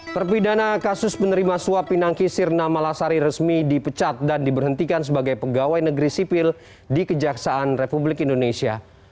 terpidana kasus penerima suap pinangki sirna malasari resmi dipecat dan diberhentikan sebagai pegawai negeri sipil di kejaksaan republik indonesia